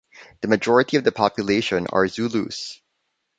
The majority of the population are Zulus.